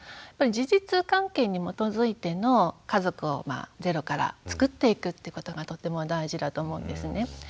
事実関係に基づいての家族をゼロからつくっていくってことがとっても大事だと思うんですね。